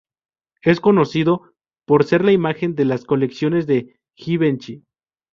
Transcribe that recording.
Es conocido por ser la imagen de las colecciones de Givenchy.